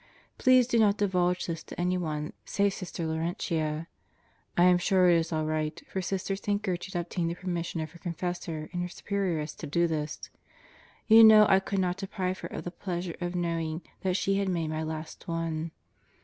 Please do not divulge this to anyone save Sister Laurentia. I am sure it is all right, for Sister St. Gertrude obtained the permission of her Confessor and her Superioress to do this. You know I could not deprive her of the pleasure of knowing that she had made my last one.